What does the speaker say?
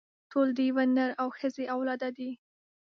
ټول د يوه نر او ښځې اولاده دي.